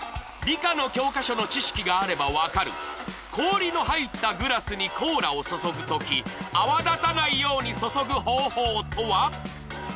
理科の教科書の知識があれば分かる氷の入ったグラスにコーラを注ぐ時泡立たないように注ぐ方法とは？